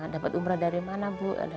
dapat umroh dari mana bu